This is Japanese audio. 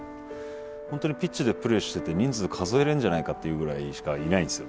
本当にピッチでプレーしてて人数数えれんじゃないかっていうぐらいしかいないんですよ